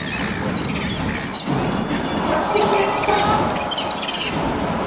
着地決めてきた！